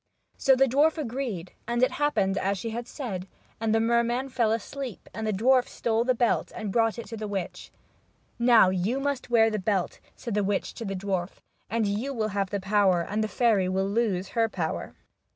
So the dwarf agreed, and it happened as she had said ; and the merman fell asleep, and the dwarf stole the belt and brought it to the witch. "Now you must wear the belt," said the witch to the dwarf, " and you will have the power and the fairy will lose her power."